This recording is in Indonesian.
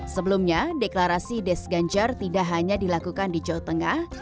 sebelumnya deklarasi des ganjar tidak hanya dilakukan di jawa tengah